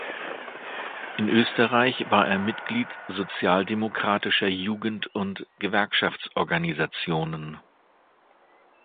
In Österreich war er Mitglied sozialdemokratischer Jugend- und Gewerkschaftsorganisationen.